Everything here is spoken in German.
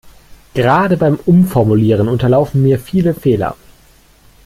Gerade beim Umformulieren unterlaufen mir viele Fehler.